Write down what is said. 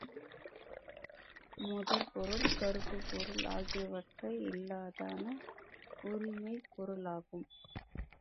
முதற்பொருள், கருப்பொருள் ஆகியவைகள் அல்லாதன உரிப்பொருகளாகும்.